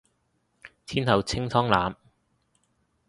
天后清湯腩